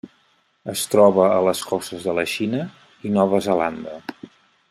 Es troba a les costes de la Xina i Nova Zelanda.